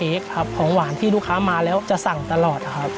แล้วก็จะเป็นเค้กครับของหวานที่ลูกค้ามาแล้วจะสั่งตลอดนะครับ